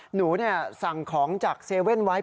หนูเนี่ยสั่งของจากเซเว่นไวท์